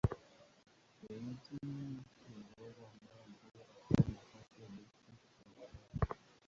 ya nchini Uingereza ambaye anacheza katika nafasi ya beki wa kushoto.